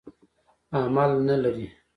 عمل نه لري.